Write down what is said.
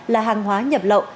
là hàng hóa nhập lậu